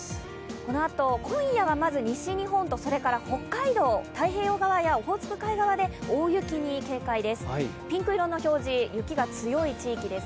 このあと、今夜は西日本と北海道太平洋側やオホーツク海側で大雪に警戒です。